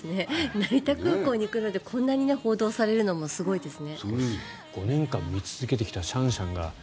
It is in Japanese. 成田空港に行くのでこんなに報道されるのもすごいですね。